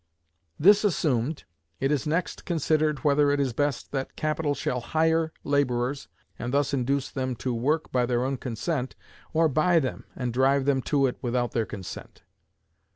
This assumed, it is next considered whether it is best that capital shall hire laborers, and thus induce them to work by their own consent, or buy them, and drive them to it without their consent.